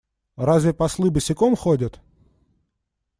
Разве послы босиком ходят?